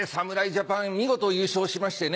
ジャパン見事優勝しましてね。